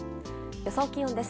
予想気温です。